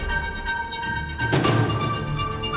aku gak bisa ketemu mama lagi